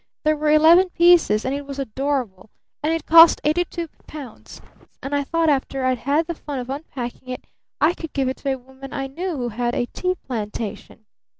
There were eleven pieces, and it was adorable, and it cost eighty two pounds and I thought after I'd had the fun of unpacking it, I could give it to a woman I knew who had a tea plantation.